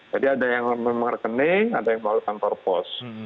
jadi ada yang memakening ada yang melakukan kantor pos